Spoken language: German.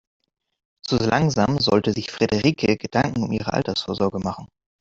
So langsam sollte sich Frederike Gedanken um ihre Altersvorsorge machen.